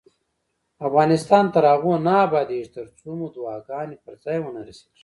افغانستان تر هغو نه ابادیږي، ترڅو مو دعاګانې پر ځای ونه رسیږي.